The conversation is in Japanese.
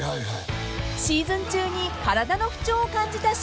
［シーズン中に体の不調を感じた新庄さん］